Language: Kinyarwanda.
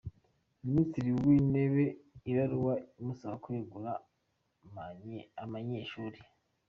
minisitiri w’intebe ibaruwa imusaba kurenganura abanyeshuri